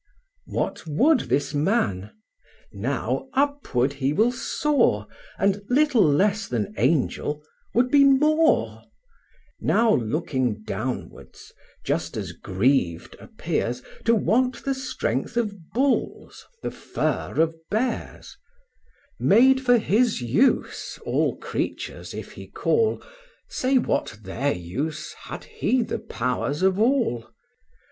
VI. What would this man? Now upward will he soar, And little less than angel, would be more; Now looking downwards, just as grieved appears To want the strength of bulls, the fur of bears Made for his use all creatures if he call, Say what their use, had he the powers of all?